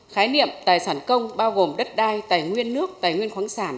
khái niệm tài sản công bao gồm đất đai tài nguyên nước tài nguyên khoáng sản